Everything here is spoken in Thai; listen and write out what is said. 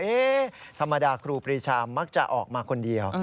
ธรรมดาครูปรีชามักจะออกมาคนเดียว